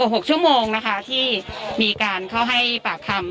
โอเคครับเอาพรุ่งนี้นะขอบเดียวนะ